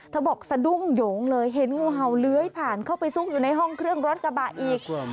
บอกสะดุ้งหยงเลยเห็นงูเห่าเลื้อยผ่านเข้าไปซุกอยู่ในห้องเครื่องรถกระบะอีก